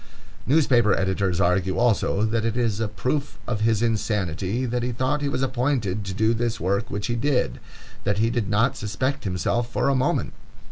Newspaper editors argue also that it is a proof of his insanity that he thought he was appointed to do this work which he did,—that he did not suspect himself for a moment!